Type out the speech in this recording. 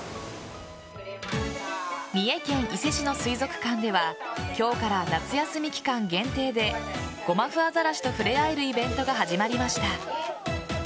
三重県伊勢市の水族館では今日から夏休み期間限定でゴマフアザラシと触れ合えるイベントが始まりました。